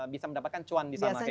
bisa mendapatkan cuan di sana